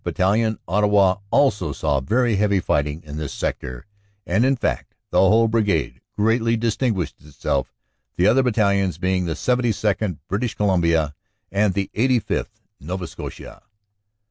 Battalion, Ottawa, also saw very heavy fighting in this sector, and in fact the whole Brigade greatly distinguished itself, the other battalions being the 72nd., British Columbia, and the 85th., Nova Scotia.